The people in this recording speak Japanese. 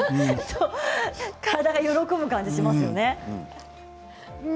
体が喜ぶ感じが分かりますよね。